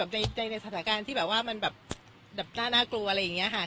ในสถานการณ์ที่แบบว่ามันแบบน่ากลัวอะไรอย่างนี้ค่ะ